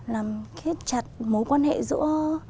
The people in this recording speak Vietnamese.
làm kết chặt mối quan hệ giữa